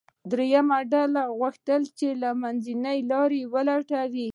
درېیمه ډله غوښتل یې منځنۍ لاره ولټوي.